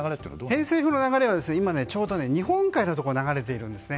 偏西風の流れは今ちょうど日本海のところを流れています。